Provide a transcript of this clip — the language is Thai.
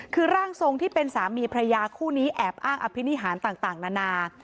คือร่างทรงที่เป็นสามีพระยาคู่นี้แอบอ้างอภินิหารต่างนานา